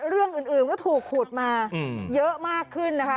เรื่องอื่นก็ถูกขุดมาเยอะมากขึ้นนะคะ